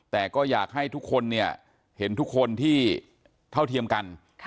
แต่ก็อยากให้ทุกคนเนี่ยเห็นทุกคนที่เท่าเทียมกัน